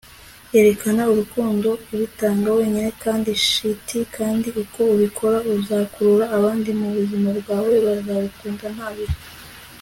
erekana urukundo ubitanga wenyine, nta shiti kandi uko ubikora, uzakurura abandi mu buzima bwawe bazagukunda nta bihe